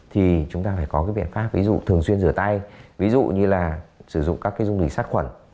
thì chúng ta phải có cái biện pháp ví dụ thường xuyên rửa tay ví dụ như là sử dụng các cái dung dịch sát khuẩn